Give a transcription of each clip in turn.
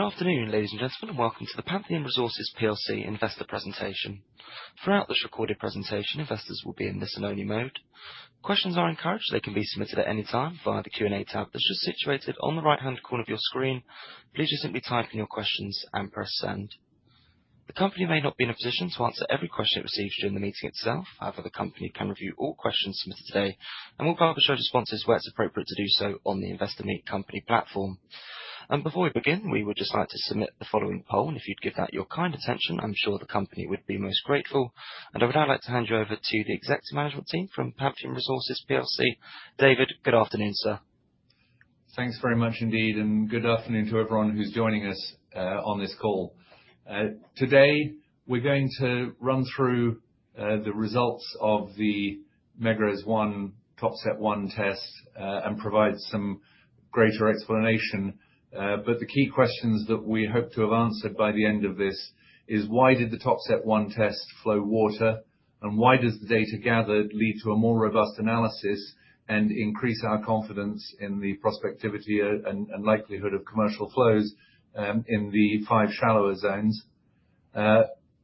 Good afternoon, ladies and gentlemen. Welcome to the Pantheon Resources plc Investor Presentation. Throughout this recorded presentation, investors will be in listen only mode. Questions are encouraged. They can be submitted at any time via the Q&A tab that's just situated on the right-hand corner of your screen. Please just simply type in your questions and press Send. The company may not be in a position to answer every question it receives during the meeting itself. However, the company can review all questions submitted today and will publish our responses where it's appropriate to do so on the Investor Meet Company platform. Before we begin, we would just like to submit the following poll, and if you'd give that your kind attention, I'm sure the company would be most grateful. I would now like to hand you over to the executive management team from Pantheon Resources plc. David, good afternoon, sir. Thanks very much indeed, and good afternoon to everyone who's joining us on this call. Today we're going to run through the results of the Megrez-1 Top Set 1 test and provide some greater explanation. The key questions that we hope to have answered by the end of this is, why did the Top Set 1 test flow water? Why does the data gathered lead to a more robust analysis and increase our confidence in the prospectivity and likelihood of commercial flows in the five shallower zones?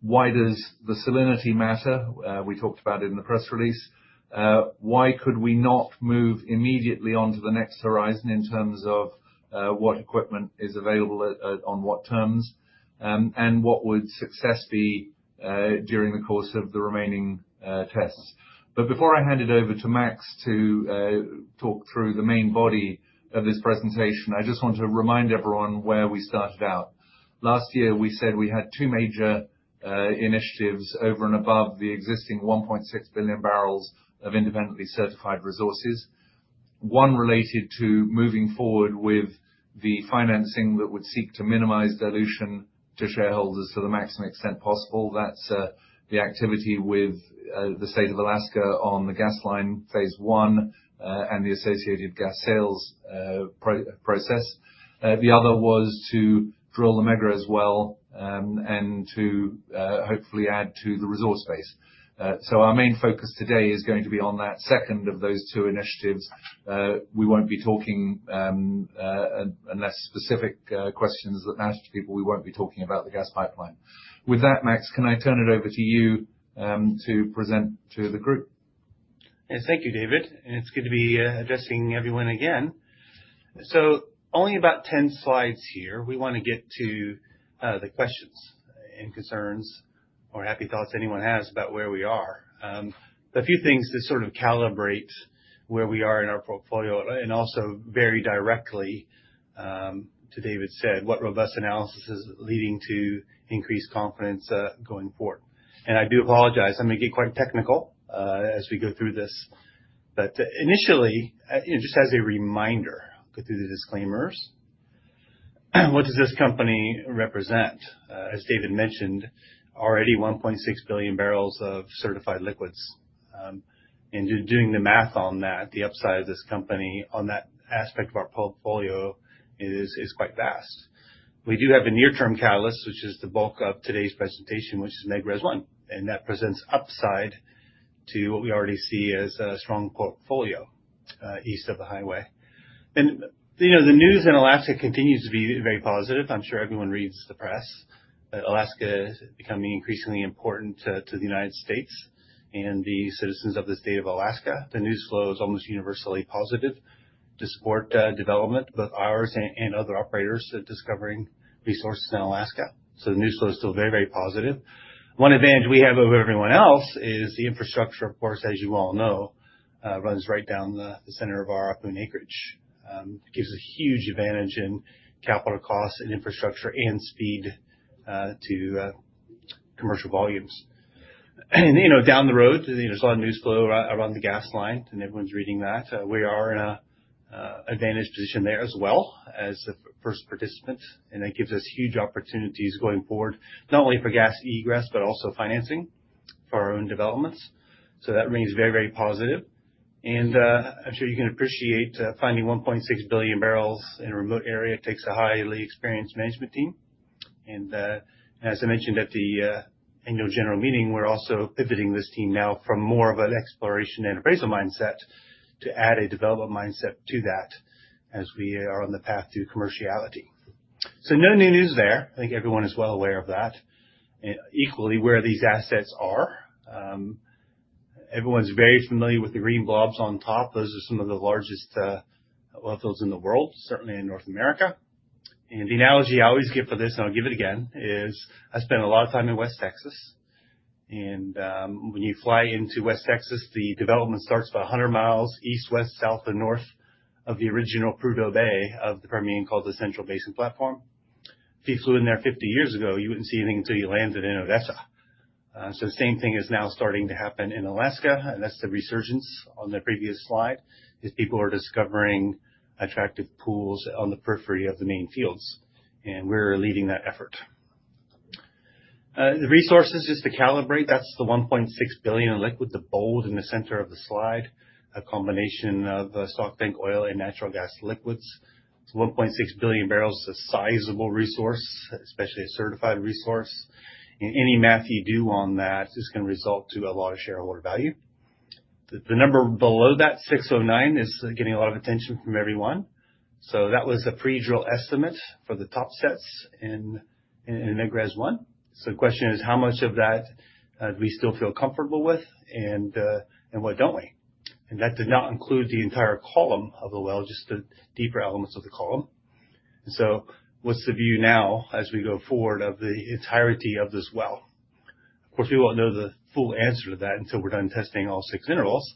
Why does the salinity matter? We talked about it in the press release. Why could we not move immediately on to the next horizon in terms of what equipment is available at on what terms? What would success be during the course of the remaining tests? Before I hand it over to Max to talk through the main body of this presentation, I just want to remind everyone where we started out. Last year, we said we had two major initiatives over and above the existing 1.6 billion barrels of independently certified resources. One related to moving forward with the financing that would seek to minimize dilution to shareholders to the maximum extent possible. That's the activity with the State of Alaska on the gas line phase one, and the associated gas sales process. The other was to drill the Megrez well, and to hopefully add to the resource base. Our main focus today is going to be on that second of those two initiatives. We won't be talking about the gas pipeline unless specific questions from management. With that, Max, can I turn it over to you to present to the group? Yes, thank you, David, and it's good to be addressing everyone again. So only about 10 slides here. We wanna get to the questions and concerns or happy thoughts anyone has about where we are. A few things to sort of calibrate where we are in our portfolio and also very directly to what David said, what robust analysis is leading to increased confidence going forward. I do apologize, I may get quite technical as we go through this. But initially, you know, just as a reminder, go through the disclaimers. What does this company represent? As David mentioned already, 1.6 billion barrels of certified liquids. Doing the math on that, the upside of this company on that aspect of our portfolio is quite vast. We do have a near-term catalyst, which is the bulk of today's presentation, which is Megrez-1, and that presents upside to what we already see as a strong portfolio east of the highway. You know, the news in Alaska continues to be very positive. I'm sure everyone reads the press. Alaska is becoming increasingly important to the U.S. and the citizens of the state of Alaska. The news flow is almost universally positive to support development, both ours and other operators discovering resources in Alaska. The news flow is still very, very positive. One advantage we have over everyone else is the infrastructure, of course, as you all know, runs right down the center of our acreage. It gives a huge advantage in capital costs and infrastructure and speed to commercial volumes. You know, down the road, you know, there's a lot of news flow around the gas line and everyone's reading that. We are in an advantageous position there as well as the first participant. That gives us huge opportunities going forward, not only for gas egress, but also financing for our own developments. So that remains very, very positive. I'm sure you can appreciate, finding 1.6 billion barrels in a remote area takes a highly experienced management team. As I mentioned at the annual general meeting, we're also pivoting this team now from more of an exploration and appraisal mindset to add a development mindset to that as we are on the path to commerciality. No new news there. I think everyone is well aware of that. Equally, where these assets are, everyone's very familiar with the green blobs on top. Those are some of the largest oil fields in the world, certainly in North America. The analogy I always give for this, and I'll give it again, is I spend a lot of time in West Texas. When you fly into West Texas, the development starts about 100 miles east, west, south, and north of the original Prudhoe Bay of the Permian, called the Central Basin Platform. If you flew in there 50 years ago, you wouldn't see anything until you landed in Odessa. The same thing is now starting to happen in Alaska, and that's the resurgence on the previous slide, is people are discovering attractive pools on the periphery of the main fields, and we're leading that effort. The resources just to calibrate, that's the 1.6 billion in liquids, the bold in the center of the slide. A combination of stock tank oil and natural gas liquids. 1.6 billion barrels is a sizable resource, especially a certified resource. Any math you do on that is gonna result to a lot of shareholder value. The number below that 609 is getting a lot of attention from everyone. That was a pre-drill estimate for the Top Sets in Megrez-1. The question is how much of that do we still feel comfortable with and what don't we? That did not include the entire column of the well, just the deeper elements of the column. What's the view now as we go forward of the entirety of this well? Of course, we won't know the full answer to that until we're done testing all six intervals,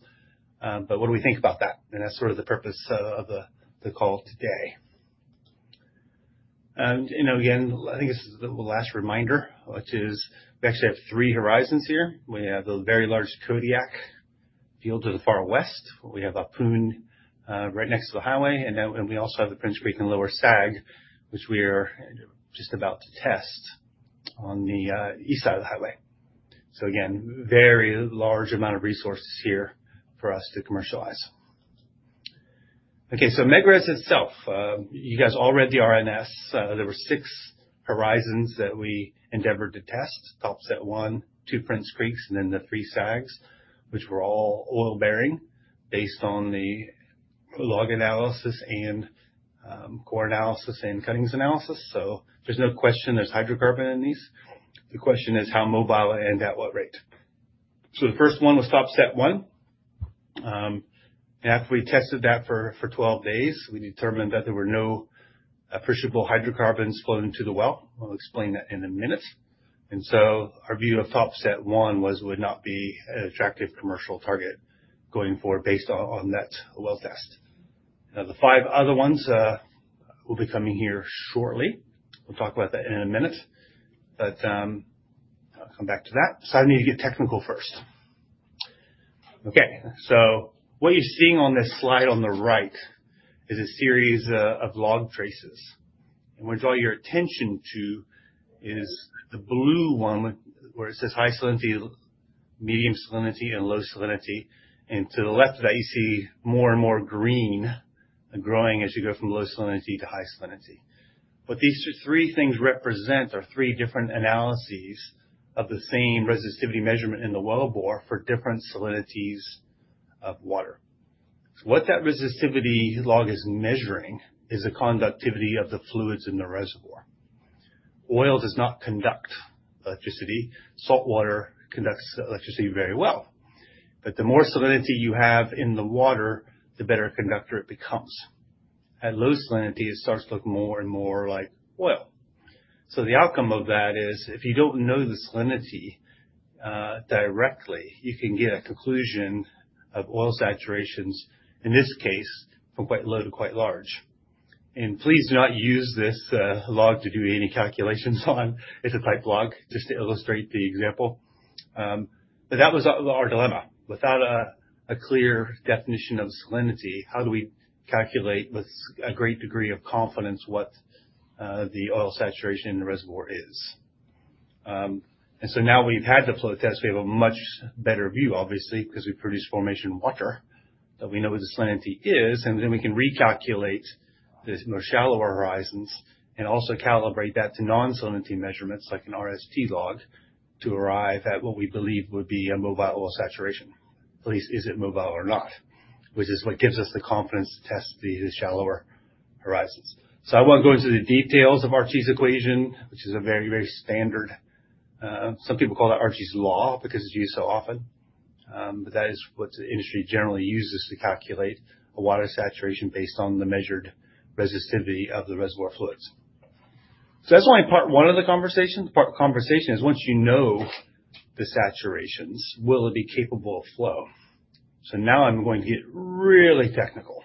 but what do we think about that? That's sort of the purpose of the call today. You know, again, I think this is the last reminder, which is we actually have three horizons here. We have the very large Kodiak field to the far west. We have our Ahpun right next to the highway, and then we also have the Prince Creek and Lower Sag, which we are just about to test on the east side of the highway. Again, very large amount of resources here for us to commercialize. Okay, so Megrez itself. You guys all read the RNS. There were six horizons that we endeavored to test. Top Set 1, 2 Prince Creeks, and then the 3 Sags, which were all oil-bearing based on the log analysis and core analysis and cuttings analysis. There's no question there's hydrocarbon in these. The question is how mobile and at what rate. The first one was Top Set 1. After we tested that for 12 days, we determined that there were no appreciable hydrocarbons flowing to the well. I'll explain that in a minute. Our view of Top Set 1 was would not be an attractive commercial target going forward based on that well test. Now, the five other ones will be coming here shortly. We'll talk about that in a minute, but I'll come back to that. I need to get technical first. Okay. What you're seeing on this slide on the right is a series of log traces. We draw your attention to the blue one where it says high salinity, medium salinity, and low salinity. To the left of that you see more and more green growing as you go from low salinity to high salinity. What these three things represent are three different analyses of the same resistivity measurement in the wellbore for different salinities of water. What that resistivity log is measuring is the conductivity of the fluids in the reservoir. Oil does not conduct electricity, saltwater conducts electricity very well, but the more salinity you have in the water, the better conductor it becomes. At low salinity, it starts to look more and more like oil. The outcome of that is if you don't know the salinity directly, you can get a conclusion of oil saturations, in this case, from quite low to quite large. Please do not use this log to do any calculations on. It's a pipe log just to illustrate the example. That was our dilemma. Without a clear definition of salinity, how do we calculate with a great degree of confidence what the oil saturation in the reservoir is? Now we've had the flow test, we have a much better view, obviously, because we produce formation water, so we know what the salinity is, and then we can recalculate these more shallower horizons and also calibrate that to non-salinity measurements, like an RST log, to arrive at what we believe would be a mobile oil saturation. At least is it mobile or not, which is what gives us the confidence to test the shallower horizons. I won't go into the details of Archie's equation, which is a very, very standard. Some people call it Archie's law because it's used so often. But that is what the industry generally uses to calculate a water saturation based on the measured resistivity of the reservoir fluids. That's only part one of the conversation. Part two of the conversation is once you know the saturations, will it be capable of flow? Now I'm going to get really technical.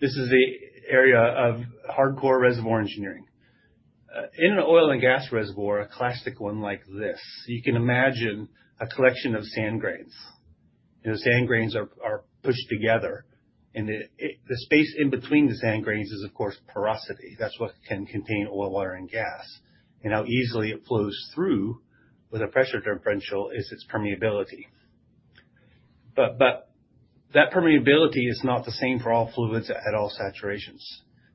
This is the area of hardcore reservoir engineering. In an oil and gas reservoir, a classic one like this, you can imagine a collection of sand grains. The sand grains are pushed together, and the space in between the sand grains is, of course, porosity. That's what can contain oil, water, and gas. How easily it flows through with a pressure differential is its permeability. That permeability is not the same for all fluids at all saturation.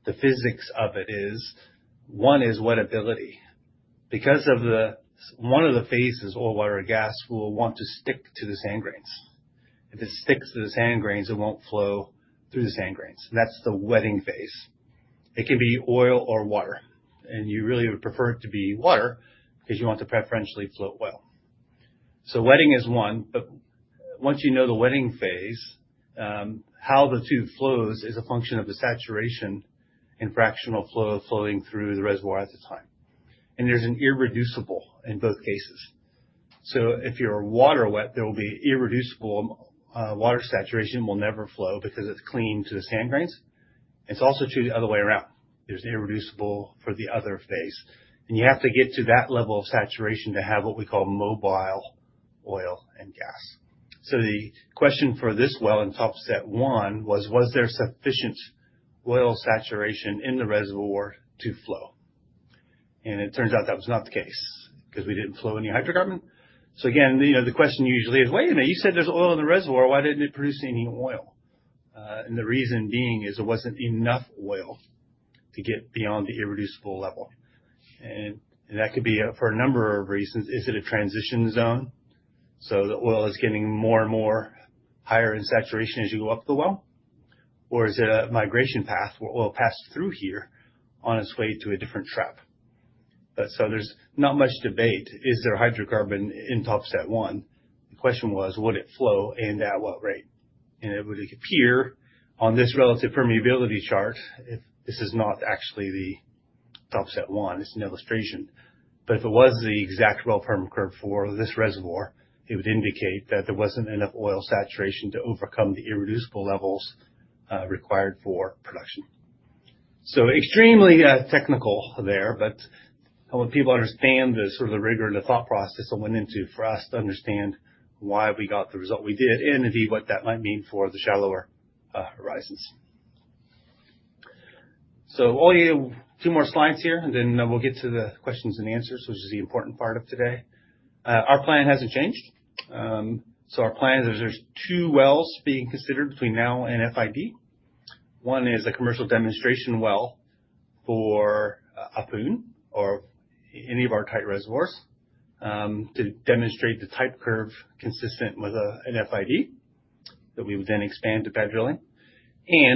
The physics of it is, one is wettability. One of the phases, oil, water, gas will want to stick to the sand grains. If it sticks to the sand grains, it won't flow through the sand grains. That's the wetting phase. It can be oil or water, and you really would prefer it to be water because you want to preferentially flow well. Wettability is one, but once you know the wetting phase, how the fluid flows is a function of the saturation and fractional flow flowing through the reservoir at the time. There's an irreducible in both cases. If you're water wet, there will be irreducible water saturation that will never flow because it's clinging to the sand grains. It's also true the other way around. There's irreducible for the other phase, and you have to get to that level of saturation to have what we call mobile oil and gas. The question for this well in Top Set 1 was there sufficient oil saturation in the reservoir to flow? It turns out that was not the case because we didn't flow any hydrocarbon. Again, you know the question usually is, "Wait a minute, you said there's oil in the reservoir. Why didn't it produce any oil? The reason being is there wasn't enough oil to get beyond the irreducible level. That could be for a number of reasons. Is it a transition zone, so the oil is getting more and more higher in saturation as you go up the well? Or is it a migration path where oil passed through here on its way to a different trap? There's not much debate, is there hydrocarbon in Top Set 1? The question was would it flow, and at what rate? It would appear on this relative permeability chart. This is not actually the Top Set 1, it's an illustration, but if it was the exact well perm curve for this reservoir, it would indicate that there wasn't enough oil saturation to overcome the irreducible levels required for production. Extremely technical there, but I want people to understand the sort of rigor and the thought process that went into it for us to understand why we got the result we did and indeed what that might mean for the shallower horizons. Only two more slides here, and then we'll get to the questions and answers, which is the important part of today. Our plan hasn't changed. Our plan is there's two wells being considered between now and FID. One is a commercial demonstration well for Ahpun or any of our tight reservoirs, to demonstrate the type curve consistent with an FID that we would then expand to pad drilling.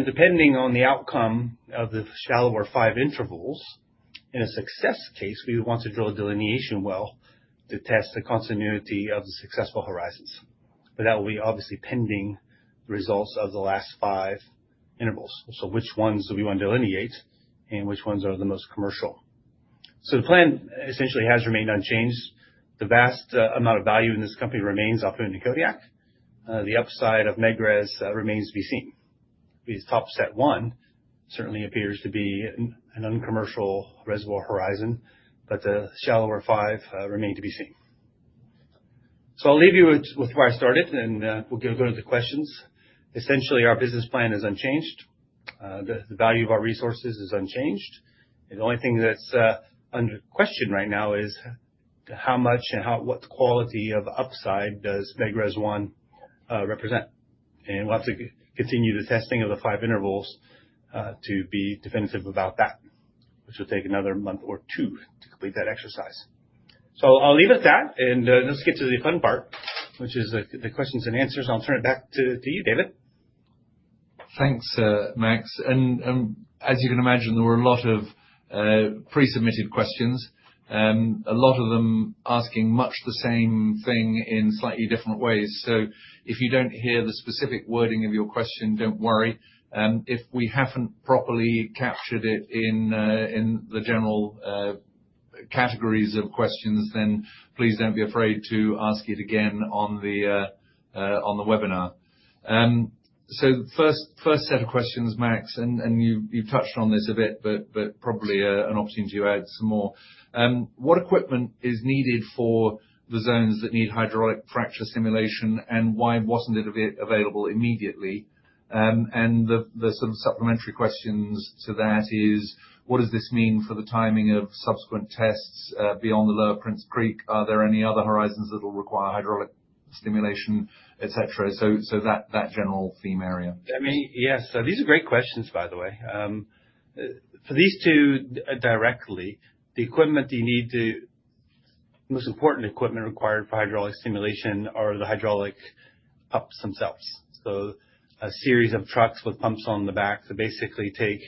Depending on the outcome of the shallower 5 intervals, in a success case, we would want to drill a delineation well to test the continuity of the successful horizons. That will be obviously pending the results of the last 5 intervals. Which ones do we want to delineate, and which ones are the most commercial? The plan essentially has remained unchanged. The vast amount of value in this company remains up in the Kodiak. The upside of Megrez remains to be seen. This Top Set 1 certainly appears to be an uncommercial reservoir horizon, but the shallower 5 remain to be seen. I'll leave you with where I started, and we'll go to the questions. Essentially, our business plan is unchanged. The value of our resources is unchanged. The only thing that's under question right now is how much and what quality of upside does Megrez-1 represent. We'll have to continue the testing of the five intervals to be definitive about that, which will take another month or two to complete that exercise. I'll leave it at that, and let's get to the fun part, which is the questions and answers. I'll turn it back to you, David. Thanks, Max. As you can imagine, there were a lot of pre-submitted questions, a lot of them asking much the same thing in slightly different ways. If you don't hear the specific wording of your question, don't worry. If we haven't properly captured it in the general categories of questions, please don't be afraid to ask it again on the webinar. First set of questions, Max, and you touched on this a bit, but probably an opportunity to add some more. What equipment is needed for the zones that need hydraulic fracture stimulation, and why wasn't it available immediately? Some supplementary questions to that is, what does this mean for the timing of subsequent tests beyond the Lower Prince Creek? Are there any other horizons that will require hydraulic stimulation, et cetera? That general theme area. I mean, yes. These are great questions, by the way. The most important equipment required for hydraulic stimulation are the hydraulic pumps themselves. A series of trucks with pumps on the back to basically take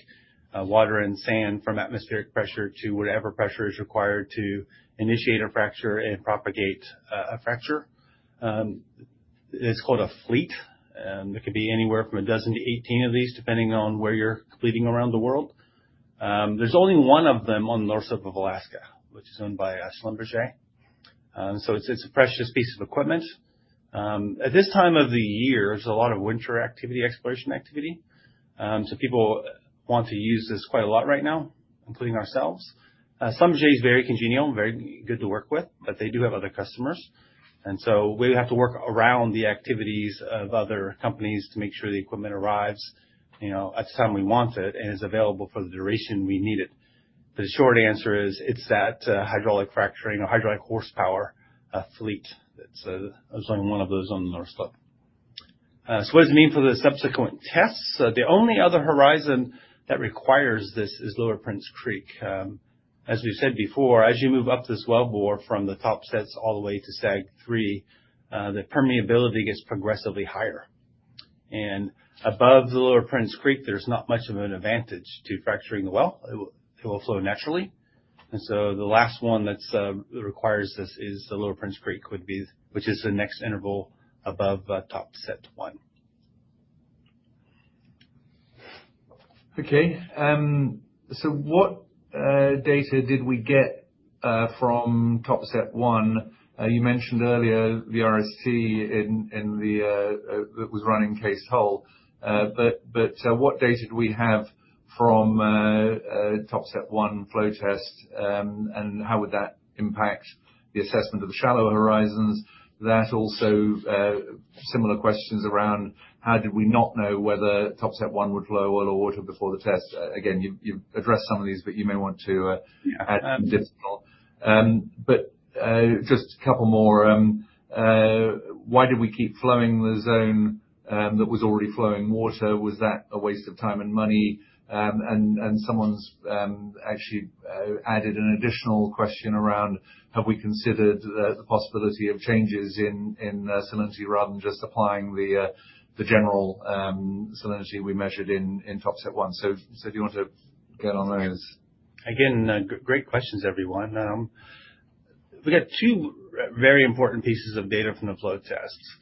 water and sand from atmospheric pressure to whatever pressure is required to initiate a fracture and propagate a fracture. It's called a fleet. It could be anywhere from 12-18 of these, depending on where you're fracking around the world. There's only one of them on the North Slope of Alaska, which is owned by Schlumberger. It's a precious piece of equipment. At this time of the year, there's a lot of winter activity, exploration activity. People want to use this quite a lot right now, including ourselves. Schlumberger is very congenial, very good to work with, but they do have other customers. We have to work around the activities of other companies to make sure the equipment arrives, you know, at the time we want it and is available for the duration we need it. The short answer is it's that hydraulic fracturing or hydraulic horsepower fleet that's, there's only one of those on the North Slope. What does it mean for the subsequent tests? The only other horizon that requires this is Lower Prince Creek. As we've said before, as you move up the wellbore from the Top Sets all the way to Sag 3, the permeability gets progressively higher. Above the Lower Prince Creek, there's not much of an advantage to fracturing the well. It will flow naturally. The last one that requires this is the Lower Prince Creek, which would be the next interval above the Top Set 1. Okay. What data did we get from Top Set 1? You mentioned earlier the RST in the cased hole. What data do we have from Top Set 1 flow test? How would that impact the assessment of the shallow horizons, that also similar questions around how did we not know whether Top Set 1 would flow oil or water before the test. Again, you've addressed some of these, but you may want to. Yeah. Just a couple more. Why did we keep flowing the zone that was already flowing water? Was that a waste of time and money? Someone's actually added an additional question around, have we considered the possibility of changes in salinity rather than just applying the general salinity we measured in Top Set 1? Do you want to get on those? Again, great questions, everyone. We got two very important pieces of data from the flow tests.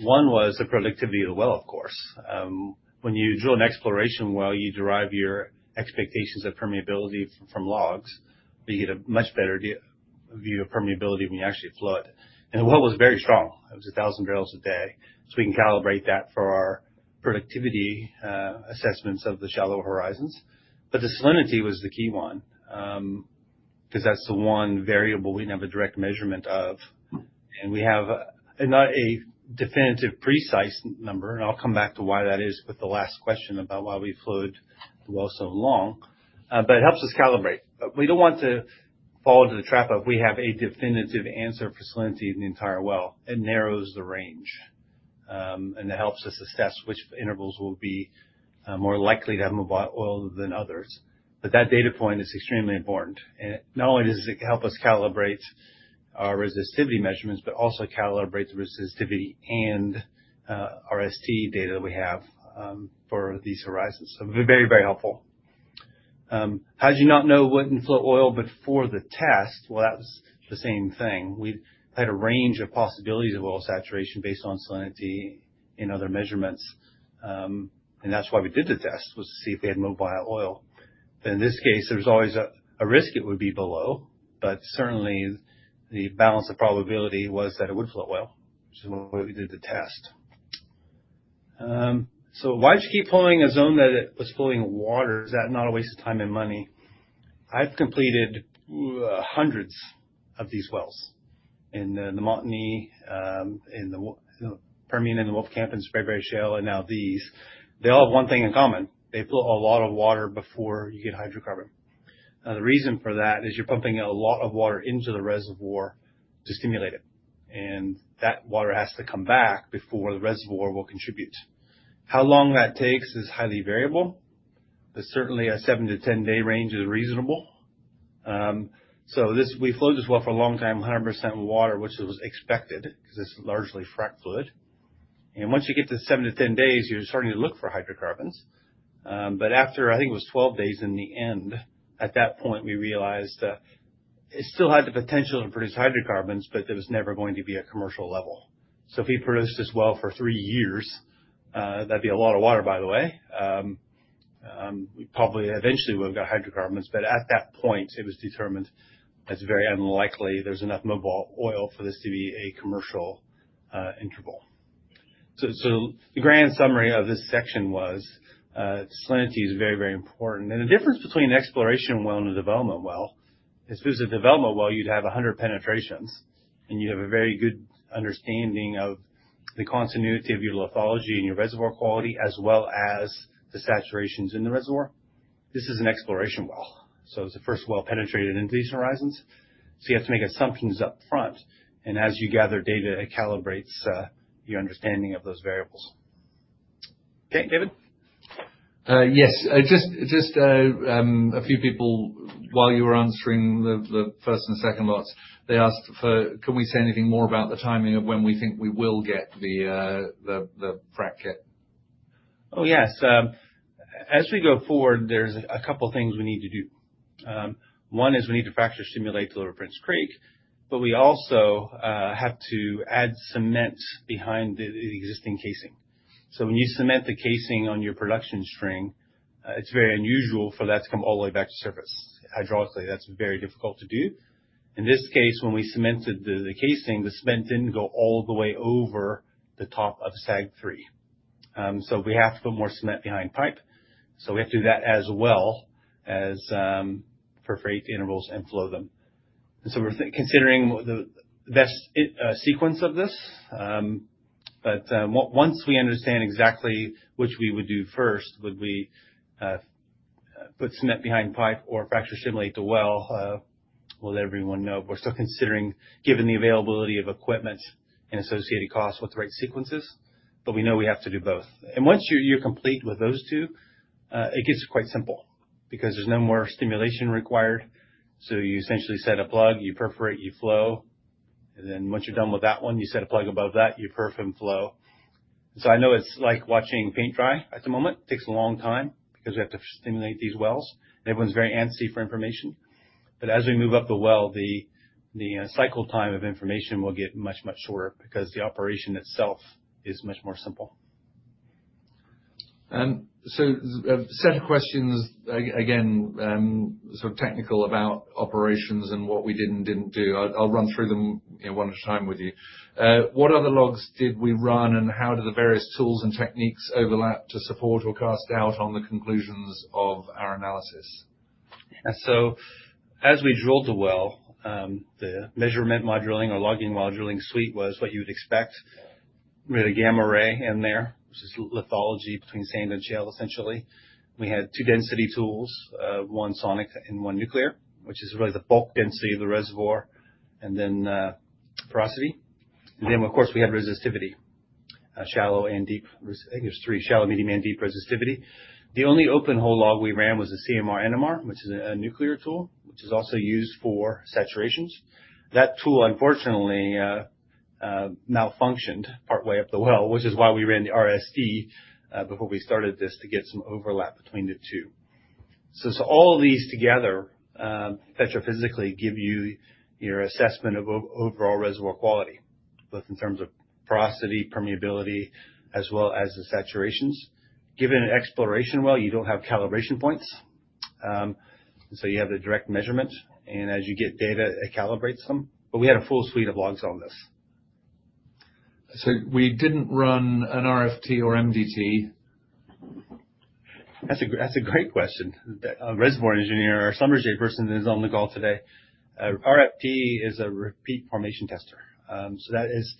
One was the productivity of the well, of course. When you drill an exploration well, you derive your expectations of permeability from logs, but you get a much better view of permeability when you actually flood. The well was very strong. It was 1,000 barrels a day. We can calibrate that for our productivity assessments of the shallow horizons. The salinity was the key one, 'cause that's the one variable we didn't have a direct measurement of. We have not a definitive precise number, and I'll come back to why that is with the last question about why we flowed the well so long. It helps us calibrate. We don't want to fall into the trap of we have a definitive answer for salinity in the entire well. It narrows the range, and it helps us assess which intervals will be more likely to have mobile oil than others. That data point is extremely important. Not only does it help us calibrate our resistivity measurements, but also calibrate the resistivity and RST data that we have for these horizons. Very, very helpful. How'd you not know it wouldn't flow oil before the test? Well, that was the same thing. We had a range of possibilities of oil saturation based on salinity and other measurements. That's why we did the test, was to see if we had mobile oil. In this case, there was always a risk it would be below, but certainly the balance of probability was that it would flow oil. That's why we did the test. Why'd you keep flowing a zone that it was flowing water? Is that not a waste of time and money? I've completed hundreds of these wells. In the Montney, you know, Permian, in the Wolfcamp Shale, in Spraberry Formation, and now these. They all have one thing in common. They flow a lot of water before you get hydrocarbon. Now, the reason for that is you're pumping a lot of water into the reservoir to stimulate it, and that water has to come back before the reservoir will contribute. How long that takes is highly variable, but certainly a 7-10-day range is reasonable. We flowed this well for a long time, 100% water, which was expected 'cause it's largely frack fluid. Once you get to 7-10 days, you're starting to look for hydrocarbons. After, I think it was 12 days in the end, at that point, we realized that it still had the potential to produce hydrocarbons, but there was never going to be a commercial level. If we produced this well for 3 years, that'd be a lot of water, by the way, we probably eventually would've got hydrocarbons. At that point, it was determined it's very unlikely there's enough mobile oil for this to be a commercial interval. So the grand summary of this section was, salinity is very, very important. The difference between an exploration well and a development well is if it's a development well, you'd have 100 penetrations, and you have a very good understanding of the continuity of your lithology and your reservoir quality, as well as the saturations in the reservoir. This is an exploration well, so it's the first well penetrated into these horizons, so you have to make assumptions up front. As you gather data, it calibrates your understanding of those variables. Okay. David? Yes. Just a few people, while you were answering the first and second lots, they asked, can we say anything more about the timing of when we think we will get the frack kit? Oh, yes. As we go forward, there's a couple things we need to do. One is we need to fracture stimulate the Lower Prince Creek, but we also have to add cement behind the existing casing. When you cement the casing on your production string, it's very unusual for that to come all the way back to surface. Hydraulically, that's very difficult to do. In this case, when we cemented the casing, the cement didn't go all the way over the top of Sag 3. So we have to put more cement behind pipe, so we have to do that as well as perforate the intervals and flow them. We're considering the best sequence of this. Once we understand exactly which we would do first, put cement behind pipe or fracture stimulate the well, we'll let everyone know. We're still considering, given the availability of equipment and associated costs, what the right sequence is. We know we have to do both. Once you're complete with those two, it gets quite simple because there's no more stimulation required. You essentially set a plug, you perforate, you flow. Once you're done with that one, you set a plug above that, you perf and flow. I know it's like watching paint dry at the moment. It takes a long time because we have to stimulate these wells. Everyone's very antsy for information. As we move up the well, the cycle time of information will get much shorter because the operation itself is much more simple. A set of questions again, sort of technical about operations and what we did and didn't do. I'll run through them, you know, one at a time with you. What other logs did we run, and how do the various tools and techniques overlap to support or cast doubt on the conclusions of our analysis? As we drilled the well, the Measurement While Drilling or Logging While Drilling suite was what you would expect with a Gamma Ray in there, which is lithology between sand and shale, essentially. We had two density tools, one sonic and one nuclear, which is really the bulk density of the reservoir, and then porosity. Of course, we had resistivity, shallow and deep resistivity. I think there's three shallow, medium, and deep resistivity. The only open hole log we ran was a CMR/NMR, which is a nuclear tool, which is also used for saturations. That tool, unfortunately, malfunctioned partway up the well, which is why we ran the RST before we started this to get some overlap between the two. All of these together, petrophysically give you your assessment of overall reservoir quality, both in terms of porosity, permeability, as well as the saturations. Given an exploration well, you don't have calibration points, so you have the direct measurement, and as you get data, it calibrates them. We had a full suite of logs on this. We didn't run an RFT or MDT? That's a great question. The reservoir engineer, our Schlumberger person, is on the call today. RFT is a repeat formation tester. That is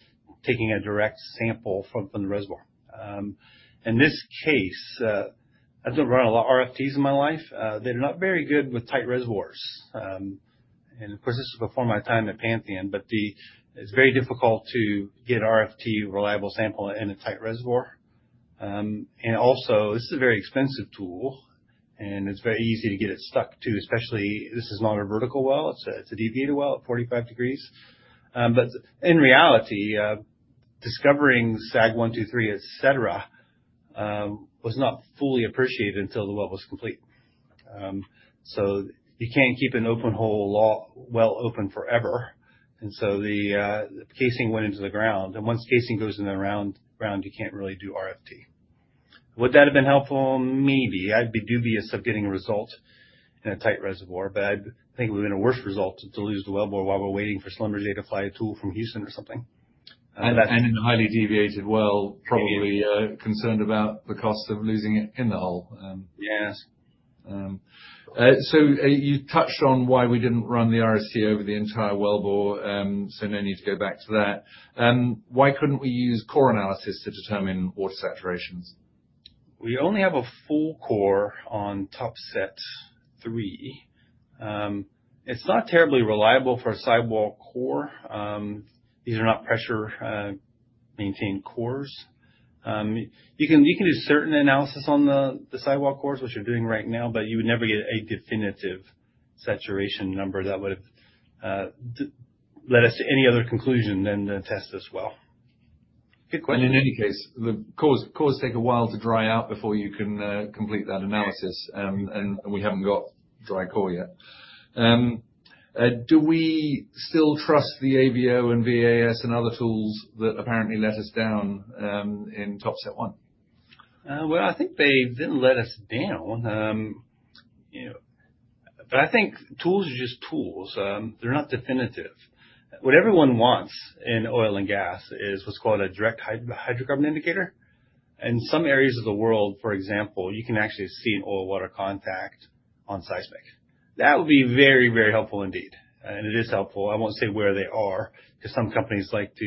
taking a direct sample from the reservoir. In this case, I've done a lot of RFTs in my life. They're not very good with tight reservoirs. Of course, this was before my time at Pantheon. It's very difficult to get a reliable RFT sample in a tight reservoir. This is a very expensive tool, and it's very easy to get it stuck, too, especially, this is not a vertical well. It's a deviated well at 45 degrees. In reality, discovering Sag 1, 2, 3, etc., was not fully appreciated until the well was complete. You can't keep an open hole well open forever. The casing went into the ground, and once casing goes in the ground, you can't really do RFT. Would that have been helpful? Maybe. I'd be dubious of getting a result in a tight reservoir, but I'd think it would've been a worse result to lose the wellbore while we're waiting for Schlumberger to fly a tool from Houston or something. in a highly deviated well. Maybe. probably concerned about the cost of losing it in the hole. Yes. You touched on why we didn't run the RST over the entire wellbore, no need to go back to that. Why couldn't we use core analysis to determine water saturations? We only have a full core on Top Set 3. It's not terribly reliable for a sidewall core. These are not pressure maintained cores. You can do certain analysis on the sidewall cores, which you're doing right now, but you would never get a definitive saturation number that would've led us to any other conclusion than the test as well. Good question. In any case, the cores take a while to dry out before you can complete that analysis. Yeah. We haven't got dry core yet. Do we still trust the AVO and VAS and other tools that apparently let us down in Top Set 1? Well, I think they didn't let us down. You know, I think tools are just tools. They're not definitive. What everyone wants in oil and gas is what's called a direct hydrocarbon indicator. In some areas of the world, for example, you can actually see an oil water contact on seismic. That would be very, very helpful indeed. It is helpful. I won't say where they are 'cause some companies like to,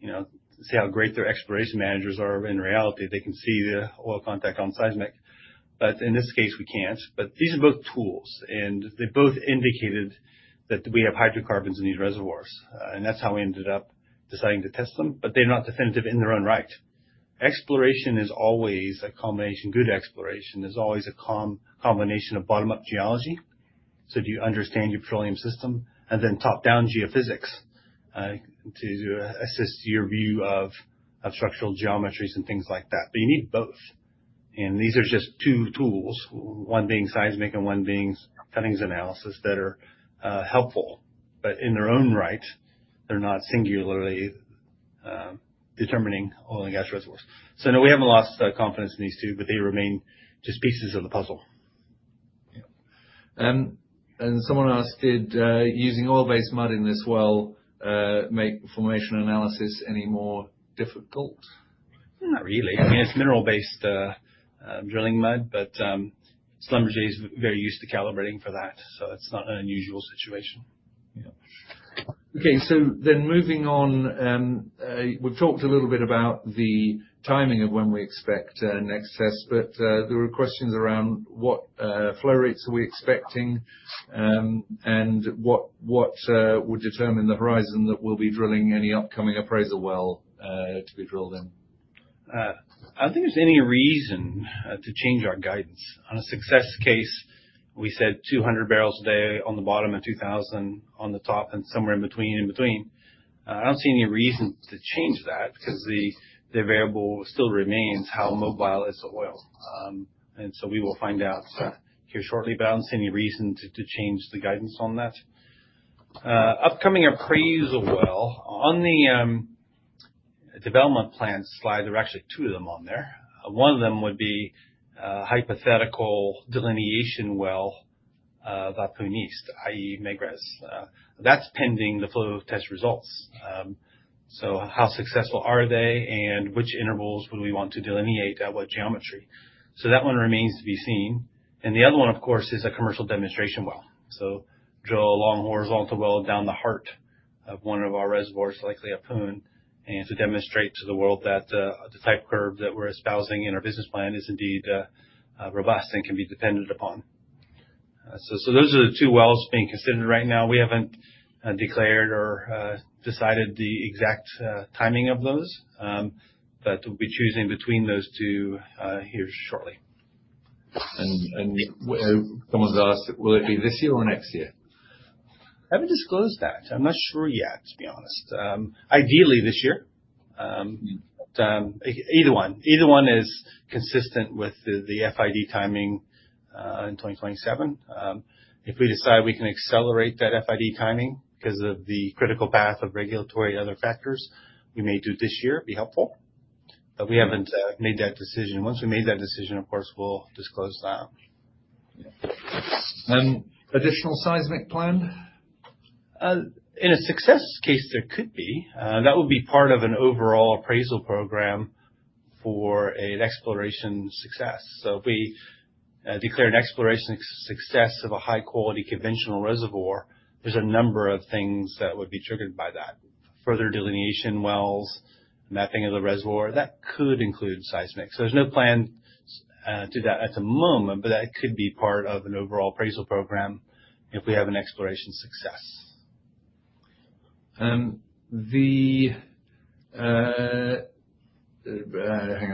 you know, say how great their exploration managers are when in reality, they can see the oil contact on seismic. In this case, we can't. These are both tools, and they both indicated that we have hydrocarbons in these reservoirs. That's how we ended up deciding to test them, but they're not definitive in their own right. Exploration is always a combination... Good exploration is always a combination of bottom-up geology. Do you understand your petroleum system? Then top-down geophysics to assist your view of structural geometries and things like that. You need both. These are just two tools, one being seismic and one being cuttings analysis that are helpful. In their own right, they're not singularly determining oil and gas reservoirs. No, we haven't lost confidence in these two, but they remain just pieces of the puzzle. Yeah. Someone asked, did using Oil-Based Mud in this well make formation analysis any more difficult? Not really. I mean, it's Mineral-Based Drilling Mud, but Schlumberger is very used to calibrating for that, so it's not an unusual situation. Yeah. Okay, moving on, we've talked a little bit about the timing of when we expect next tests, but there were questions around what flow rates are we expecting, and what would determine the horizon that we'll be drilling any upcoming appraisal well to be drilled in. I don't think there's any reason to change our guidance. On a success case, we said 200 barrels a day on the bottom and 2,000 on the top and somewhere in between. I don't see any reason to change that 'cause the variable still remains how mobile is the oil. We will find out here shortly, but I don't see any reason to change the guidance on that. Upcoming appraisal well on the development plan slide, there are actually two of them on there. One of them would be a hypothetical delineation well, Ahpun East, i.e. Megrez. That's pending the flow test results. How successful are they and which intervals would we want to delineate at what geometry? That one remains to be seen. The other one, of course, is a commercial demonstration well. Drill a long horizontal well down the heart of one of our reservoirs, likely Ahpun, and to demonstrate to the world that the type curve that we're espousing in our business plan is indeed robust and can be depended upon. Those are the two wells being considered right now. We haven't declared or decided the exact timing of those. We'll be choosing between those two here shortly. Someone's asked, will it be this year or next year? I haven't disclosed that. I'm not sure yet, to be honest. Ideally this year. Either one is consistent with the FID timing in 2027. If we decide we can accelerate that FID timing 'cause of the critical path of regulatory and other factors, we may do it this year, it'd be helpful. We haven't made that decision. Once we've made that decision, of course, we'll disclose that. Additional seismic plan? In a success case, there could be. That would be part of an overall appraisal program for an exploration success. If we declare an exploration success of a high quality conventional reservoir, there's a number of things that would be triggered by that. Further delineation wells, mapping of the reservoir, that could include seismic. There's no plan to that at the moment, but that could be part of an overall appraisal program if we have an exploration success. Where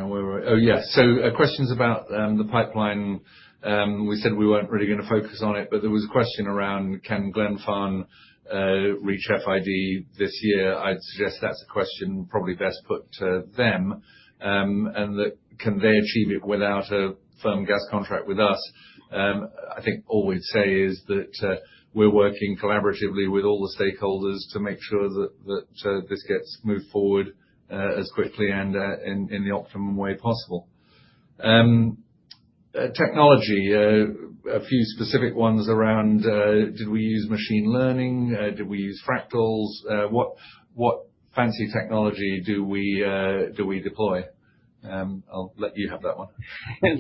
were we? Oh, yeah. Questions about the pipeline. We said we weren't really gonna focus on it, but there was a question around can Glenfarne reach FID this year? I'd suggest that's a question probably best put to them. That can they achieve it without a firm gas contract with us? I think all we'd say is that we're working collaboratively with all the stakeholders to make sure that this gets moved forward as quickly and in the optimum way possible. Technology. A few specific ones around, did we use machine learning? Did we use fractals? What fancy technology do we deploy? I'll let you have that one.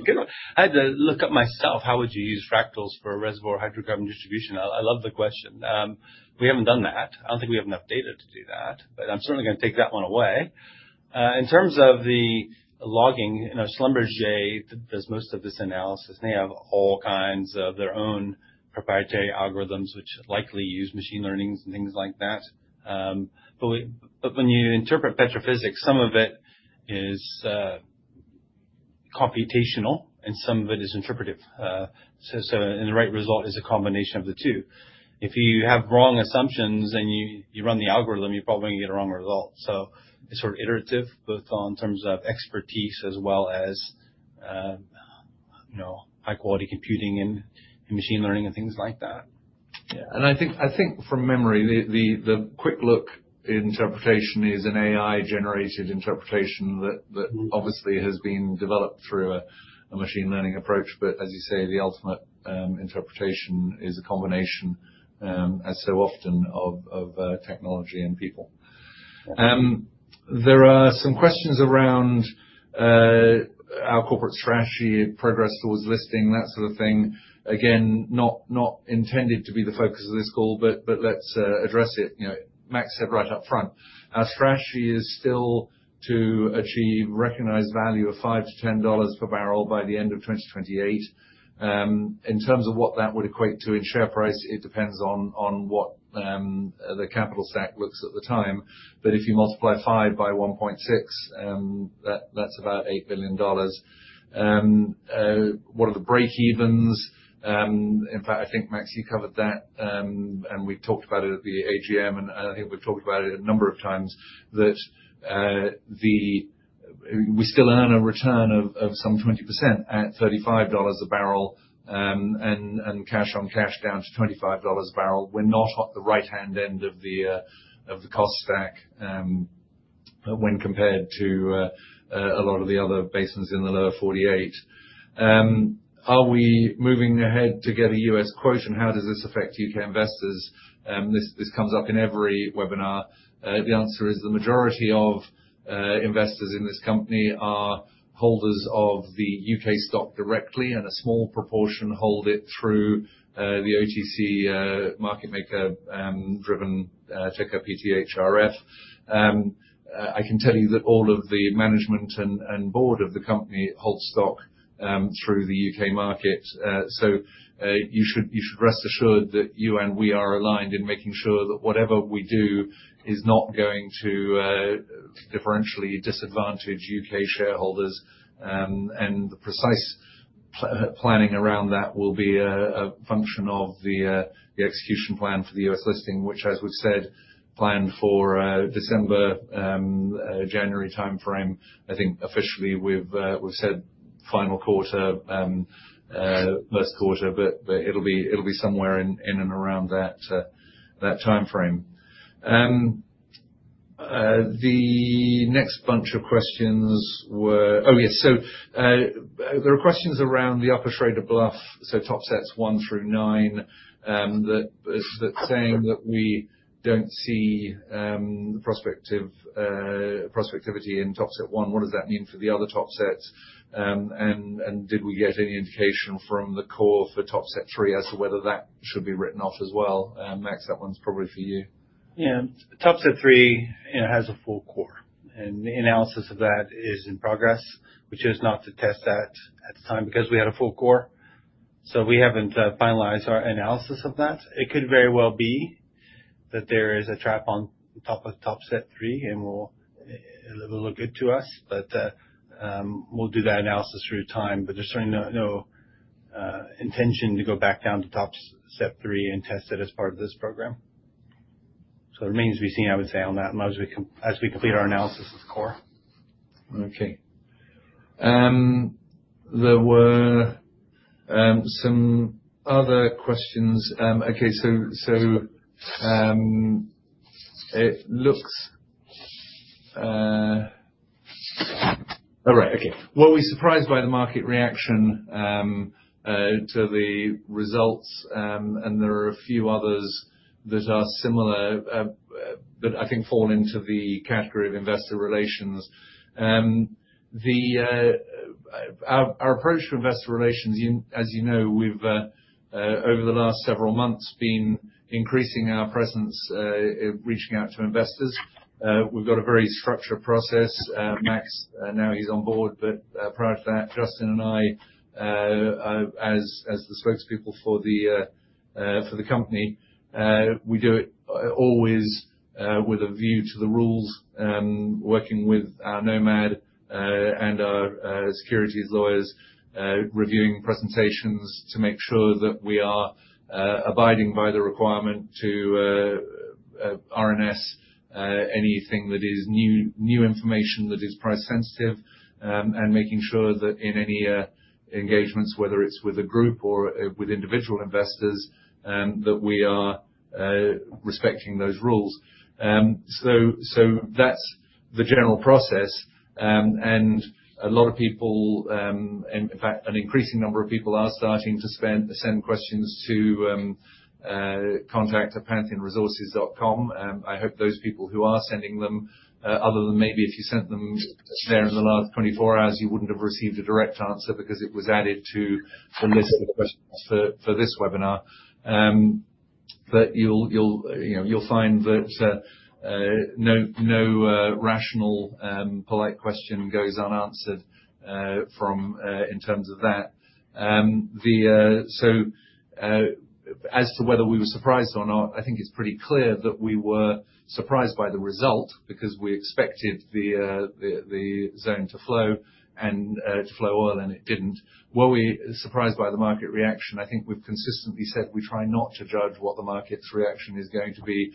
Good one. I had to look it up myself how would you use fractals for a reservoir hydrocarbon distribution. I love the question. We haven't done that. I don't think we have enough data to do that. I'm certainly gonna take that one away. In terms of the logging, you know, Schlumberger does most of this analysis. They have all kinds of their own proprietary algorithms, which likely use machine learning and things like that. When you interpret petrophysics, some of it is computational and some of it is interpretive. The right result is a combination of the two. If you have wrong assumptions and you run the algorithm, you're probably gonna get a wrong result. It's sort of iterative, both in terms of expertise as well as, you know, high quality computing and machine learning and things like that. Yeah. I think from memory, the quick look interpretation is an AI-generated interpretation that obviously has been developed through a machine learning approach. As you say, the ultimate interpretation is a combination, as so often of technology and people. There are some questions around our corporate strategy, progress towards listing, that sort of thing. Again, not intended to be the focus of this call, but let's address it. You know, Max said right up front. Our strategy is still to achieve recognized value of $5-$10 per barrel by the end of 2028. In terms of what that would equate to in share price, it depends on what the capital stack looks at the time. If you multiply 5 by 1.6, that's about $8 billion. What are the breakevens? In fact, I think, Max, you covered that. We talked about it at the AGM, and I think we've talked about it a number of times. We still earn a return of some 20% at $35 a barrel, and cash on cash down to $25 a barrel. We're not at the right-hand end of the cost stack when compared to a lot of the other basins in the lower 48. Are we moving ahead to get a U.S. quotation? How does this affect U.K. investors? This comes up in every webinar. The answer is the majority of investors in this company are holders of the U.K. stock directly, and a small proportion hold it through the OTC market maker driven ticker PTHRF. I can tell you that all of the management and board of the company hold stock through the U.K. market. You should rest assured that you and we are aligned in making sure that whatever we do is not going to differentially disadvantage U.K. shareholders. The precise planning around that will be a function of the execution plan for the U.S. listing, which, as we've said, planned for December January timeframe. I think officially we've said final quarter, most quarter, but it'll be somewhere in and around that timeframe. The next bunch of questions were. Oh, yes. There were questions around the Upper Schrader Bluff, so top sets 1 through 9, that is, that's saying that we don't see the prospective prospectivity in Top Set 1. What does that mean for the other topsets? And did we get any indication from the core for Top Set 3 as to whether that should be written off as well? Max, that one's probably for you. Yeah. Top Set 3, you know, has a full core, and the analysis of that is in progress. We chose not to test that at the time because we had a full core, so we haven't finalized our analysis of that. It could very well be that there is a trap on top of Top Set 3, and it will look good to us. We'll do that analysis over time. There's certainly no intention to go back down to Top Set 3 and test it as part of this program. It remains to be seen, I would say on that, and as we complete our analysis of the core. There were some other questions. Were we surprised by the market reaction to the results? There are a few others that are similar that I think fall into the category of investor relations. Our approach to investor relations, you as you know, we've over the last several months been increasing our presence reaching out to investors. We've got a very structured process. Max, now he's on board, but prior to that, Justin and I, as the spokespeople for the company, we do it always with a view to the rules, working with our nomad and our securities lawyers, reviewing presentations to make sure that we are abiding by the requirement to RNS anything that is new information that is price sensitive. Making sure that in any engagements, whether it's with a group or with individual investors, that we are respecting those rules. That's the general process. A lot of people, in fact, an increasing number of people are starting to send questions to contact@pantheonresources.com. I hope those people who are sending them, other than maybe if you sent them there in the last 24 hours, you wouldn't have received a direct answer because it was added to the list of questions for this webinar. You'll, you know, find that no rational, polite question goes unanswered from us in terms of that. As to whether we were surprised or not, I think it's pretty clear that we were surprised by the result because we expected the zone to flow and to flow oil, and it didn't. Were we surprised by the market reaction? I think we've consistently said we try not to judge what the market's reaction is going to be,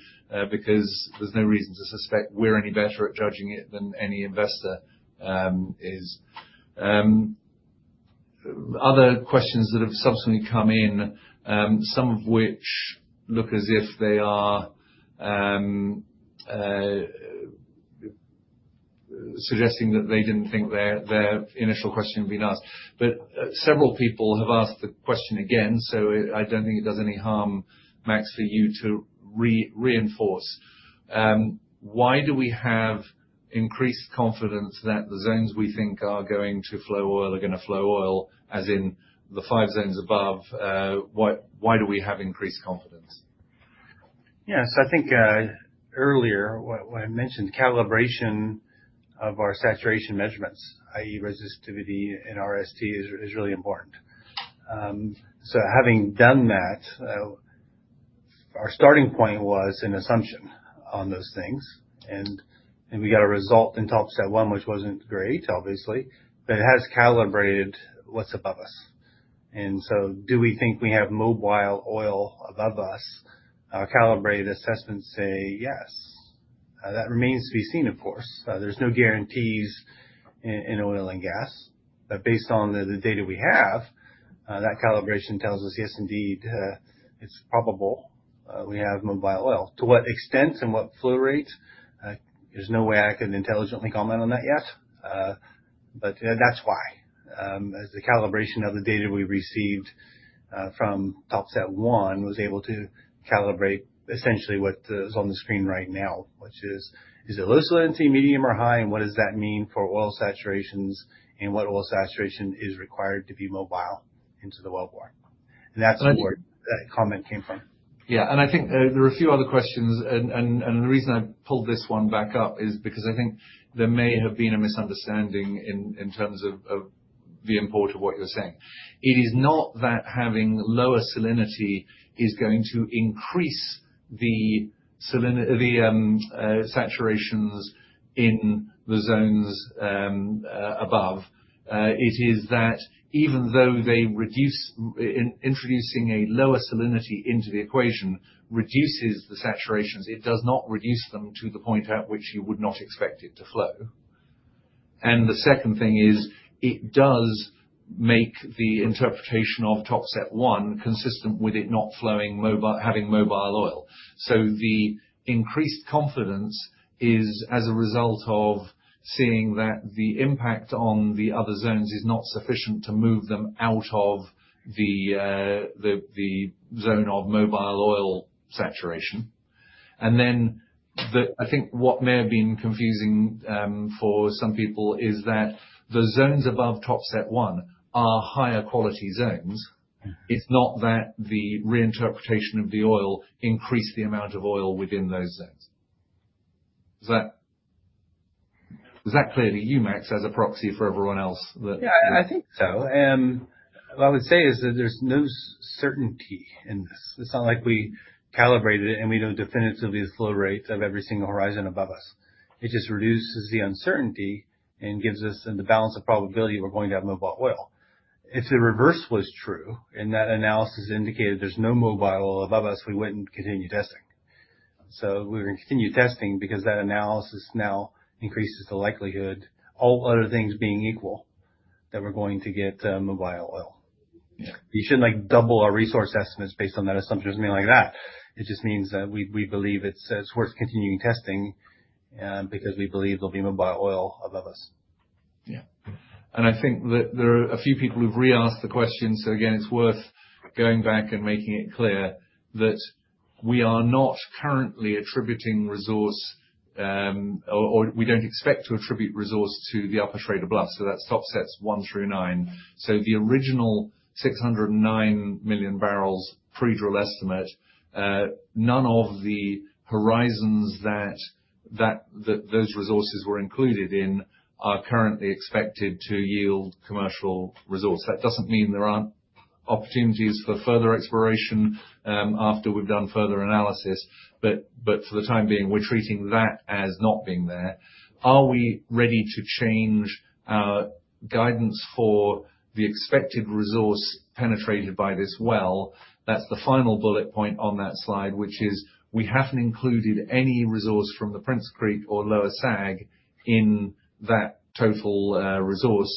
because there's no reason to suspect we're any better at judging it than any investor is. Other questions that have subsequently come in, some of which look as if they are suggesting that they didn't think their initial question had been asked. Several people have asked the question again, so I don't think it does any harm, Max, for you to reinforce. Why do we have increased confidence that the zones we think are going to flow oil are gonna flow oil, as in the five zones above? Why do we have increased confidence? Yes. I think earlier when I mentioned calibration of our saturation measurements, i.e., resistivity and RST is really important. Having done that, our starting point was an assumption on those things. We got a result in Top Set 1, which wasn't great, obviously, but it has calibrated what's above us. Do we think we have mobile oil above us? Our calibrated assessments say yes. That remains to be seen, of course. There's no guarantees in oil and gas. Based on the data we have, that calibration tells us, yes, indeed, it's probable we have mobile oil. To what extent and what flow rate, there's no way I can intelligently comment on that yet. You know, that's why, as the calibration of the data we received from Top Set 1 was able to calibrate essentially what is on the screen right now. Which is it low salinity, medium, or high, and what does that mean for oil saturations and what oil saturation is required to be mobile into the well bore? That's where that comment came from. Yeah. I think there are a few other questions and the reason I pulled this one back up is because I think there may have been a misunderstanding in terms of the import of what you're saying. It is not that having lower salinity is going to increase the saturations in the zones above. It is that even though introducing a lower salinity into the equation reduces the saturations. It does not reduce them to the point at which you would not expect it to flow. The second thing is it does make the interpretation of Top Set 1 consistent with it not having mobile oil. The increased confidence is as a result of seeing that the impact on the other zones is not sufficient to move them out of the zone of mobile oil saturation. I think what may have been confusing for some people is that the zones above Top Set 1 are higher quality zones. It's not that the reinterpretation of the oil increased the amount of oil within those zones. Is that clear to you, Max, as a proxy for everyone else that- Yeah, I think so. What I would say is that there's no certainty in this. It's not like we calibrated it, and we know definitively the flow rates of every single horizon above us. It just reduces the uncertainty and gives us in the balance of probability we're going to have mobile oil. If the reverse was true, and that analysis indicated there's no mobile oil above us, we wouldn't continue testing. We're gonna continue testing because that analysis now increases the likelihood, all other things being equal, that we're going to get mobile oil. Yeah. You shouldn't, like, double our resource estimates based on that assumption or anything like that. It just means that we believe it's worth continuing testing, because we believe there'll be mobile oil above us. Yeah. I think that there are a few people who've reasked the question, so again, it's worth going back and making it clear that we are not currently attributing resource, or we don't expect to attribute resource to the Upper Schrader Bluff, so that's Top Sets 1 through 9. The original 609 million barrels pre-drill estimate, none of the horizons that those resources were included in are currently expected to yield commercial resource. That doesn't mean there aren't opportunities for further exploration, after we've done further analysis, but for the time being, we're treating that as not being there. Are we ready to change our guidance for the expected resource penetrated by this well? That's the final bullet point on that slide, which is we haven't included any resource from the Prince Creek or Lower Sag in that total resource.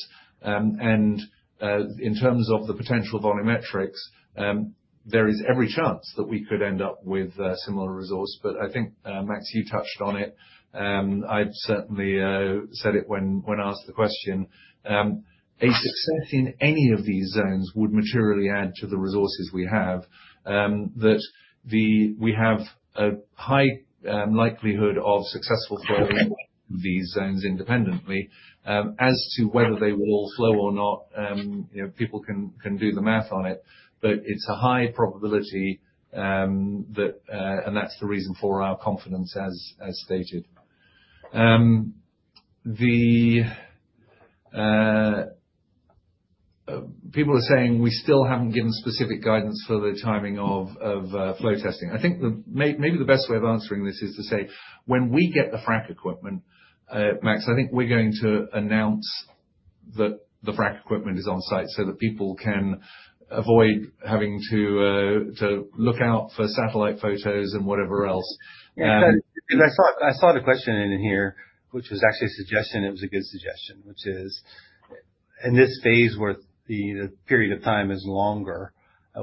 In terms of the potential volumetrics, there is every chance that we could end up with a similar resource. I think, Max, you touched on it. I've certainly said it when asked the question. A success in any of these zones would materially add to the resources we have. We have a high likelihood of successful flowing these zones independently. As to whether they will all flow or not, you know, people can do the math on it, but it's a high probability that and that's the reason for our confidence as stated. People are saying we still haven't given specific guidance for the timing of flow testing. I think maybe the best way of answering this is to say, when we get the frack equipment, Max, I think we're going to announce that the frack equipment is on site so that people can avoid having to look out for satellite photos and whatever else. Yeah. Because I saw the question in here, which was actually a suggestion. It was a good suggestion, which is, in this phase where the period of time is longer,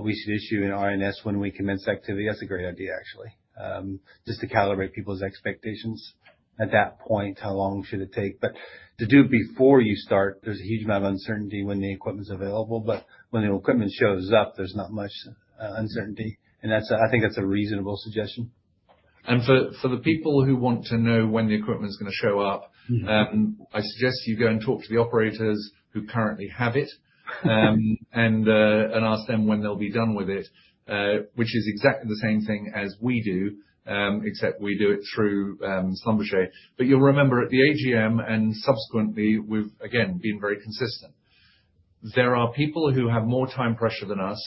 we should issue an RNS when we commence activity. That's a great idea, actually. Just to calibrate people's expectations at that point, how long should it take? To do it before you start, there's a huge amount of uncertainty when the equipment's available. When the equipment shows up, there's not much uncertainty. That's, I think, a reasonable suggestion. For the people who want to know when the equipment's gonna show up. Mm-hmm. I suggest you go and talk to the operators who currently have it and ask them when they'll be done with it, which is exactly the same thing as we do, except we do it through Schlumberger. You'll remember at the AGM and subsequently, we've again been very consistent. There are people who have more time pressure than us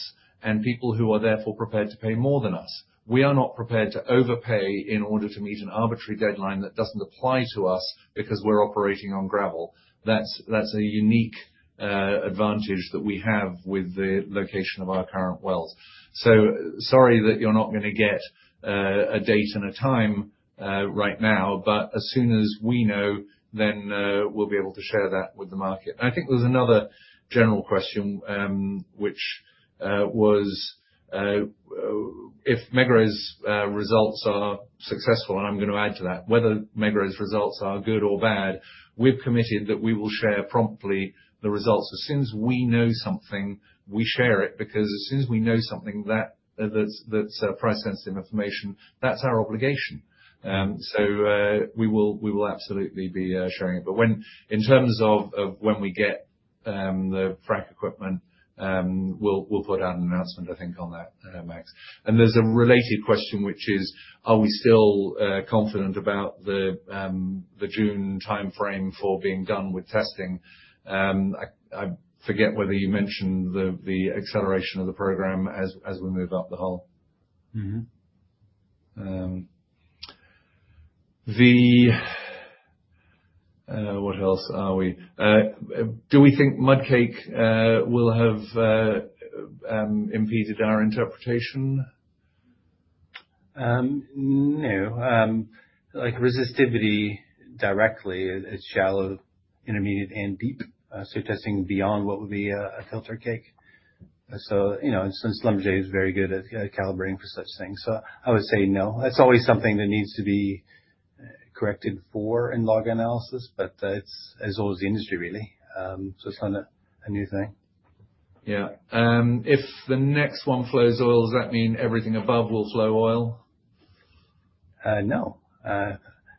and people who are therefore prepared to pay more than us. We are not prepared to overpay in order to meet an arbitrary deadline that doesn't apply to us because we're operating on gravel. That's a unique advantage that we have with the location of our current wells. Sorry that you're not gonna get a date and a time right now, but as soon as we know, then we'll be able to share that with the market. I think there's another general question, which was if Megrez's results are successful, and I'm gonna add to that, whether Megrez's results are good or bad, we've committed that we will share promptly the results. As soon as we know something, we share it because as soon as we know something that that's price-sensitive information, that's our obligation. We will absolutely be sharing it. In terms of when we get the frack equipment, we'll put out an announcement, I think, on that, Max. There's a related question, which is, are we still confident about the June timeframe for being done with testing? I forget whether you mentioned the acceleration of the program as we move up the hole. Mm-hmm. Do we think Mudcake will have impeded our interpretation? No. Like resistivity directly is shallow, intermediate and deep, suggesting beyond what would be a filter cake. You know, and since Schlumberger is very good at calibrating for such things. I would say no. It's always something that needs to be corrected for in log analysis, but it's as good as the industry really. It's not a new thing. Yeah. If the next one flows oil, does that mean everything above will flow oil? No. That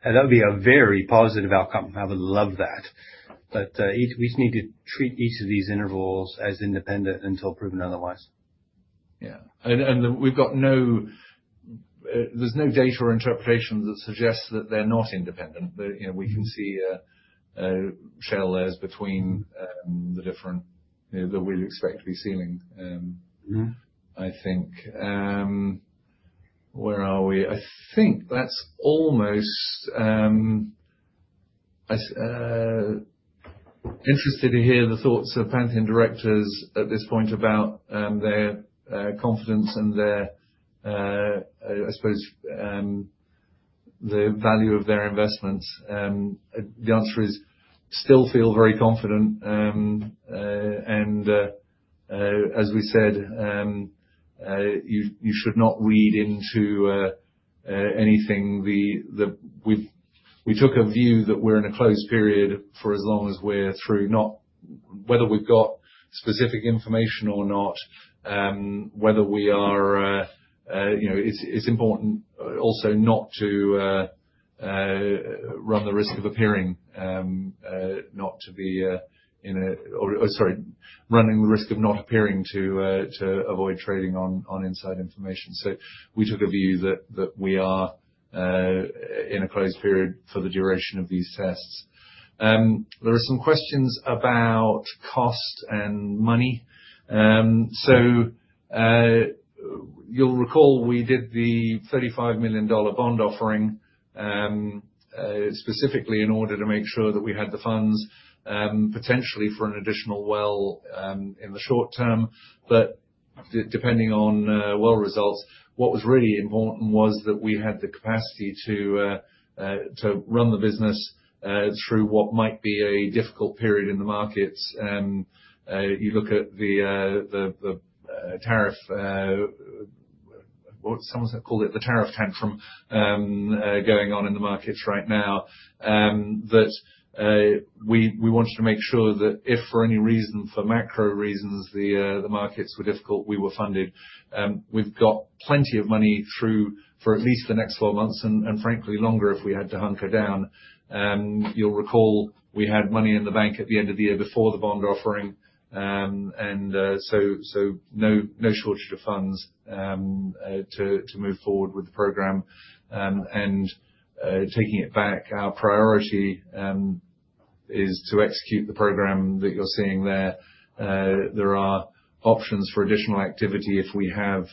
would be a very positive outcome. I would love that. We just need to treat each of these intervals as independent until proven otherwise. Yeah. We've got no data or interpretation that suggests that they're not independent. They're, you know. Mm-hmm. We can see shale layers between the different, you know, that we'd expect to be sealing. Mm-hmm. I'm interested to hear the thoughts of Pantheon directors at this point about their confidence and, I suppose, the value of their investments. We still feel very confident. As we said, you should not read into anything. We took a view that we're in a closed period for as long as we're through, not whether we've got specific information or not, you know. It's important also not to run the risk of not appearing to avoid trading on inside information. We took a view that we are in a closed period for the duration of these tests. There are some questions about cost and money. You'll recall we did the $35 million bond offering specifically in order to make sure that we had the funds potentially for an additional well in the short term. Depending on well results, what was really important was that we had the capacity to run the business through what might be a difficult period in the markets. You look at the tariff, what someone called it, the tariff tantrum going on in the markets right now. We wanted to make sure that if for any reason, for macro reasons, the markets were difficult, we were funded. We've got plenty of money through for at least the next four months and frankly longer if we had to hunker down. You'll recall we had money in the bank at the end of the year before the bond offering. No shortage of funds to move forward with the program. Taking it back, our priority is to execute the program that you're seeing there. There are options for additional activity if we have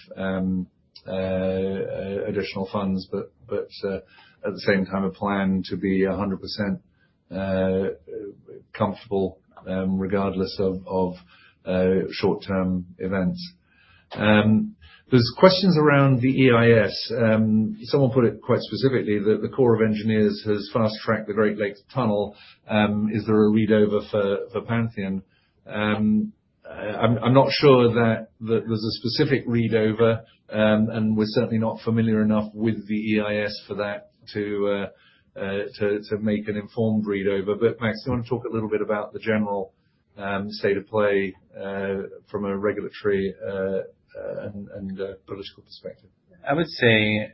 additional funds, but at the same time, a plan to be 100% comfortable regardless of short-term events. There's questions around the EIS. Someone put it quite specifically that the Corps of Engineers has fast-tracked the Great Lakes tunnel. Is there a read over for Pantheon? I'm not sure that there's a specific read over, and we're certainly not familiar enough with the EIS for that to make an informed read over. Max, you wanna talk a little bit about the general state of play from a regulatory and political perspective? I would say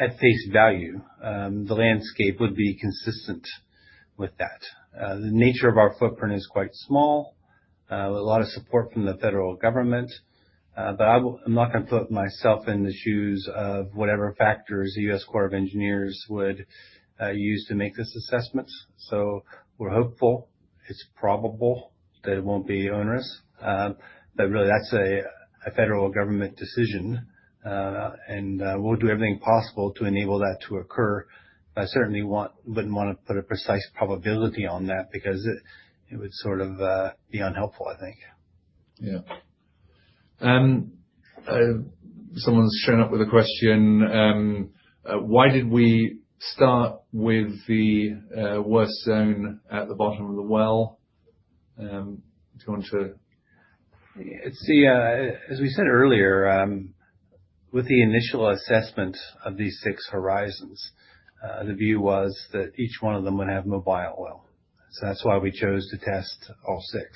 at face value, the landscape would be consistent with that. The nature of our footprint is quite small, with a lot of support from the federal government. I'm not gonna put myself in the shoes of whatever factors the U.S. Army Corps of Engineers would use to make this assessment. We're hopeful it's probable that it won't be onerous. Really that's a federal government decision. We'll do everything possible to enable that to occur. I wouldn't wanna put a precise probability on that because it would sort of be unhelpful, I think. Yeah. Someone's shown up with a question. Why did we start with the worst zone at the bottom of the well? Do you want to? See, as we said earlier, with the initial assessment of these six horizons, the view was that each one of them would have mobile oil. That's why we chose to test all six.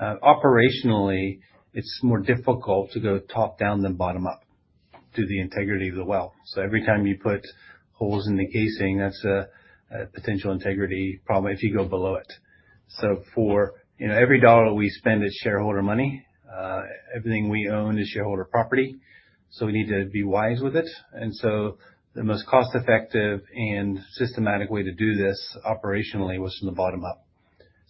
Operationally, it's more difficult to go top-down than bottom-up to the integrity of the well. Every time you put holes in the casing, that's a potential integrity problem if you go below it. You know, every dollar we spend is shareholder money. Everything we own is shareholder property, so we need to be wise with it. The most cost-effective and systematic way to do this operationally was from the bottom up.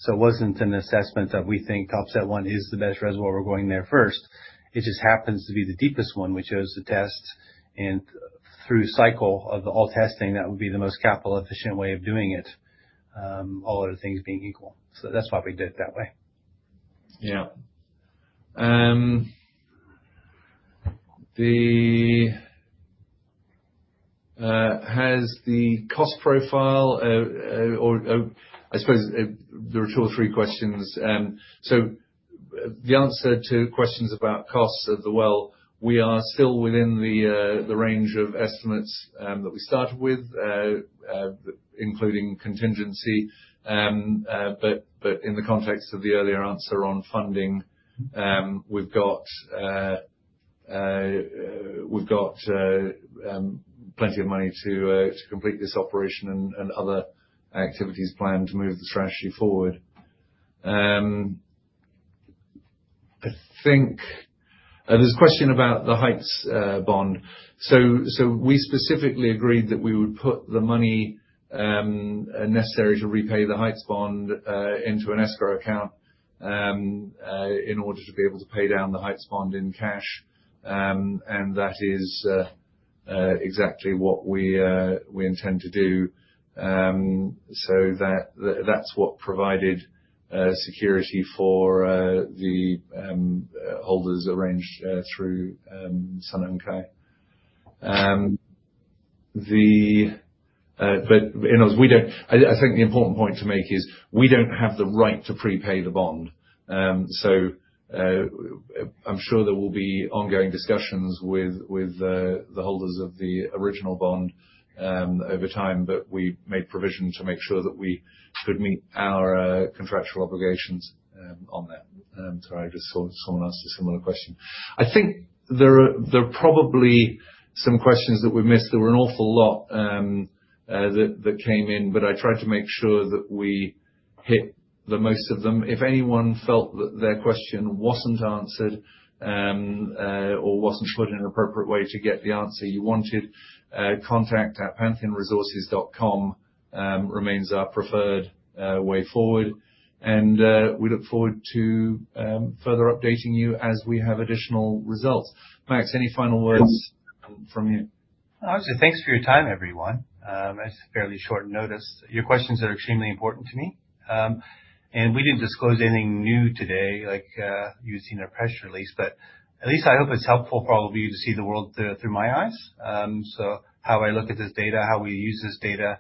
It wasn't an assessment that we think offset one is the best reservoir. We're going there first. It just happens to be the deepest one we chose to test. Through cycle of all testing, that would be the most capital efficient way of doing it, all other things being equal. That's why we did it that way. Yeah, the cost profile, or I suppose there are two or three questions. The answer to questions about costs of the well, we are still within the range of estimates that we started with, including contingency. In the context of the earlier answer on funding, we've got plenty of money to complete this operation and other activities planned to move the strategy forward. I think there's a question about the Heights bond. We specifically agreed that we would put the money necessary to repay the Heights bond into an escrow account in order to be able to pay down the Heights bond in cash. That is exactly what we intend to do. That's what provided security for the holders arranged through Stifel Nicolaus. You know, I think the important point to make is we don't have the right to prepay the bond. I'm sure there will be ongoing discussions with the holders of the original bond over time, but we've made provision to make sure that we could meet our contractual obligations on that. Sorry, I just thought someone asked a similar question. I think there are probably some questions that we missed. There were an awful lot that came in, but I tried to make sure that we hit the most of them. If anyone felt that their question wasn't answered, or wasn't put in an appropriate way to get the answer you wanted, contact@pantheonresources.com remains our preferred way forward. We look forward to further updating you as we have additional results. Max, any final words from you? Obviously, thanks for your time, everyone. That's fairly short notice. Your questions are extremely important to me. We didn't disclose anything new today, like, you've seen our press release, but at least I hope it's helpful for all of you to see the world through my eyes. How I look at this data, how we use this data,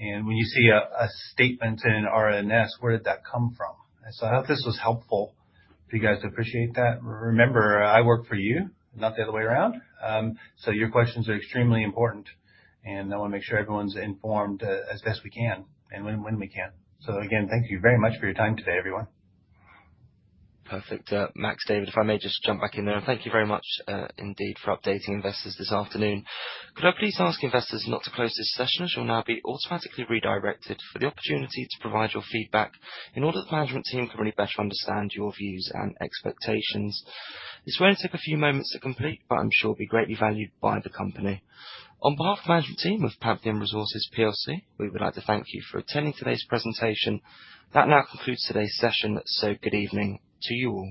and when you see a statement in an RNS, where did that come from? I hope this was helpful. If you guys appreciate that, remember, I work for you, not the other way around. Your questions are extremely important, and I wanna make sure everyone's informed, as best we can and when we can. Again, thank you very much for your time today, everyone. Perfect. Max, David, if I may just jump back in there. Thank you very much, indeed, for updating investors this afternoon. Could I please ask investors not to close this session, as you'll now be automatically redirected for the opportunity to provide your feedback in order that the management team can really better understand your views and expectations. This will only take a few moments to complete, but I'm sure it'll be greatly valued by the company. On behalf of the management team of Pantheon Resources PLC, we would like to thank you for attending today's presentation. That now concludes today's session. Good evening to you all.